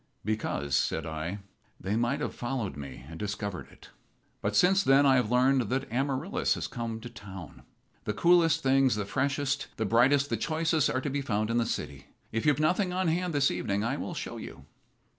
"Because," said I, "they might have followed me and discovered it. But since then I have learned that Amaryllis has come to town. The coolest things, the freshest, the brightest, the choicest, are to be found in the city. If you've nothing on hand this evening I will show you."